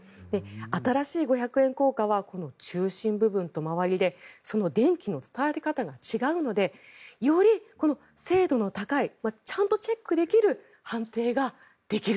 新しい五百円硬貨は中心部分と周りでその電気の伝わり方が違うのでより精度の高いちゃんとチェックできる判定ができる。